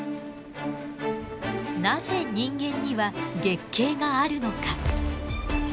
なぜ人間には月経があるのか。